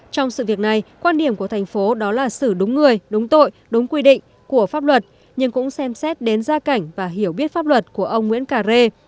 trong sự việc này quan điểm của thành phố đó là xử đúng người đúng tội đúng quy định của pháp luật nhưng cũng xem xét đến gia cảnh và hiểu biết pháp luật của ông nguyễn cà rê